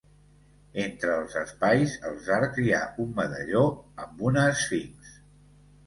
Entre els espais els arcs hi ha un medalló amb una esfinx.